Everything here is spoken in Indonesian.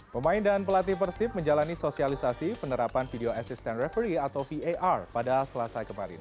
pemain dan pelatih persib menjalani sosialisasi penerapan video assistant referee atau var pada selasa kemarin